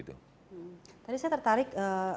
tadi saya tertarik